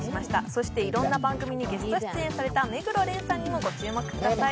そしていろんな番組にゲスト出演した目黒蓮さんにもご注目ください。